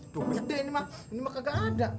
tuh gede ini mah kaget ada